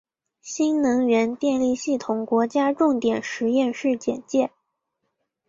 新能源电力系统国家重点实验室简介